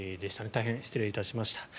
大変失礼いたしました。